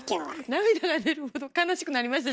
涙が出るほど悲しくなりました